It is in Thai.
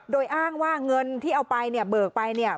โดยอ้างว่าเงินที่เอาไปเนี่ยเบิกไปเนี่ย